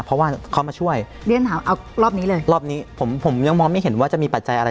เพราะว่าเขามาช่วยเรียนถามเอารอบนี้เลยรอบนี้ผมผมยังมองไม่เห็นว่าจะมีปัจจัยอะไร